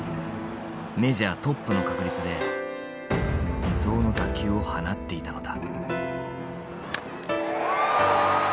メジャートップの確率で理想の打球を放っていたのだ。